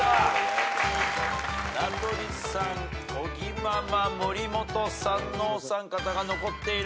名取さん尾木ママ森本さんのお三方が残っている。